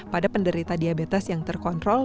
pada penderita diabetes yang terkontrol